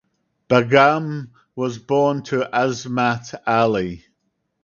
Begum was born to Azmat Ali.